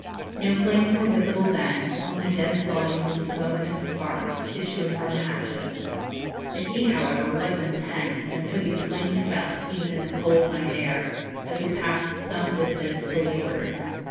No flames were visible then; only dense volumes of smoke and sparks, issuing from the hatches. The heat, however, was intense, and could be plainly felt, even in the cold night air, as we passed some distance to leeward.